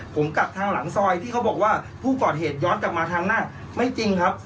ผมกลับทางหลังซอยที่เขาบอกว่าผู้ก่อเหตุย้อนกลับมาทางหน้าไม่จริงครับ